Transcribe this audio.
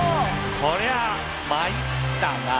こりゃ「まい」ったなあ。